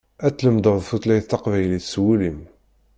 Ad tlemdeḍ tutlayt taqbaylit s wul-im.